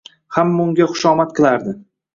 Hamma unga hushomad qilardi.